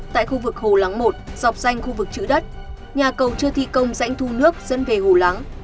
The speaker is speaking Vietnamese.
tại khu vực hồ lắng một dọc danh khu vực trữ đất nhà cầu chưa thi công dãnh thu nước dẫn về hồ lắng